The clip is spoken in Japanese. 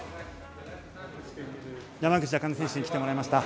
山口茜選手に来てもらいました。